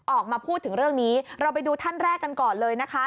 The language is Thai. ออกมาพูดถึงเรื่องนี้เราไปดูท่านแรกกันก่อนเลยนะคะ